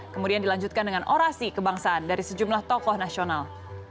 kemudian dilanjutkan dengan orasi kebangsaan dari sejumlah tokoh nasional